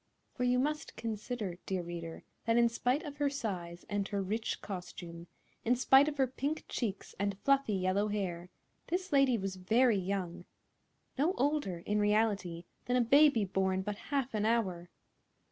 For you must consider, dear reader, that in spite of her size and her rich costume, in spite of her pink cheeks and fluffy yellow hair, this lady was very young—no older, in reality, than a baby born but half an hour.